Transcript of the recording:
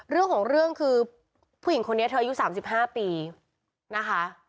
เรื่องของเรื่องคือผู้หญิงคนนี้เธออายุ๓๕ปีนะคะ